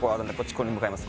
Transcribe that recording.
これで向かいます